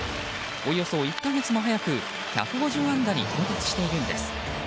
およそ１か月も早く１５０安打に到達しているんです。